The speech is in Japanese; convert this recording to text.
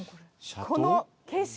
この景色。